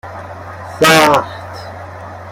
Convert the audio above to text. سَخت